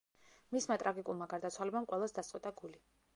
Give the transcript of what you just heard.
მისმა ტრაგიკულმა გარდაცვალებამ ყველას დასწყვიტა გული.